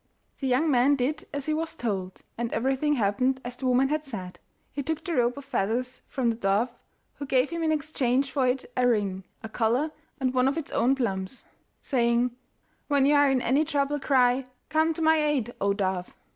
The young man did as he was told, and everything happened as the woman had said. He took the robe of feathers from the dove, who gave him in exchange for it a ring, a collar, and one of its own plumes, saying: 'When you are in any trouble, cry "Come to my aid, O dove!"